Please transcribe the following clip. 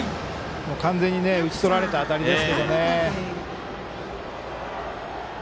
完全に打ち取られた当たりでしたけどね。